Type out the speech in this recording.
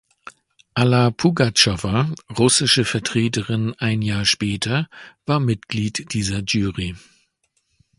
Alla Pugatschowa, russische Vertreterin ein Jahr später, war Mitglied dieser Jury.